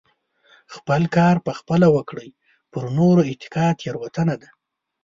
خپل کار په خپله وکړئ پر نورو اتکا تيروتنه ده .